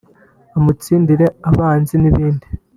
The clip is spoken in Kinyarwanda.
amutsindire abanzi n’ibindi